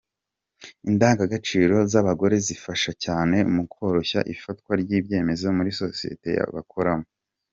Indangagaciro z’abagore zifasha cyane mu koroshya ifatwa ry’ibyemezo muri sosiyete bakoramo.